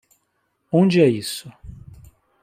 Onde é isso?